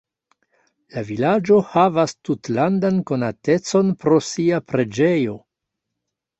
La vilaĝo havas tutlandan konatecon pro sia preĝejo.